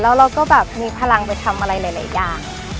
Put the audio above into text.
แล้วเราก็แบบมีพลังไปทำอะไรหลายอย่าง